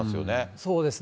そうですね。